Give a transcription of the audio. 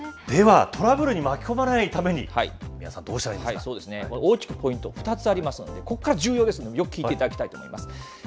では、トラブルに巻き込まれないために、三輪さん、どうした大きくポイント、２つありますので、ここから重要ですので、よく聞いていただきたいと思います。